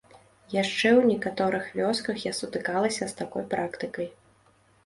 Яшчэ ў некаторых вёсках я сутыкалася з такой практыкай.